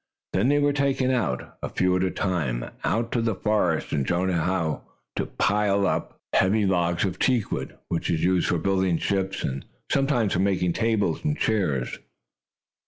Then they were taken out, a few at a time, out to the forest, and shown how to pile up the heavy logs of teakwood, which is used for building ships, and sometimes for making tables and chairs.